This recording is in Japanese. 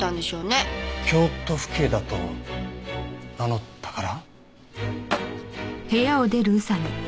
京都府警だと名乗ったから？